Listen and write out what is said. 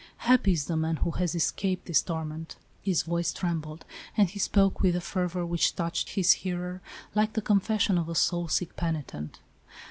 Happy is the man who has escaped this torment." His voice trembled and he spoke with a fer vor which touched his hearer, like the confession of a soul sick penitent.